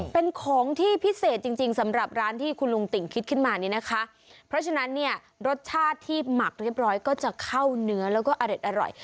เป็นของที่พิเศษจริงจริงสำหรับร้านที่คุณลุงติ่งคิดขึ้นมานี่นะคะเพราะฉะนั้นเนี่ยรสชาติที่หมักเรียบร้อยก็จะเข้าเนื้อแล้วก็อเด็ดอร่อย